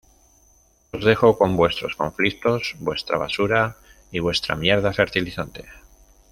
Os dejo con vuestros conflictos, vuestra basura, y vuestra mierda fertilizante"".